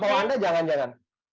partol anda jangan jangan